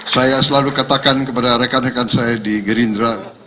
saya selalu katakan kepada rekan rekan saya di gerindra